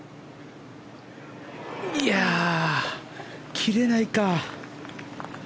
切れないか。